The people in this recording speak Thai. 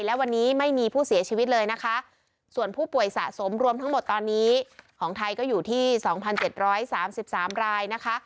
และวันนี้ไม่มีผู้เสียชีวิตเลยนะคะส่วนผู้ป่วยสะสมรวมทั้งหมดตอนนี้ของไทยก็อยู่ที่๒๗๓๓รายนะคะ